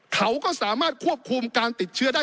เขาก็สามารถควบคุมการติดเชื้อได้